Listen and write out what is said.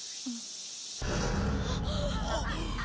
あっ！